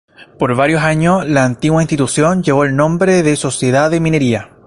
Por varios años, la antigua institución llevó el nombre de Sociedad de Minería.